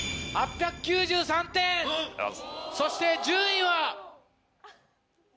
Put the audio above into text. そして順位は？